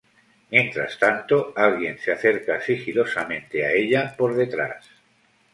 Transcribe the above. Mientras tanto, alguien se acerca sigilosamente a ella por detrás.